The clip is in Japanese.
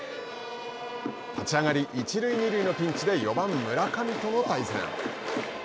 立ち上がり、一塁二塁のピンチで４番村上との対戦。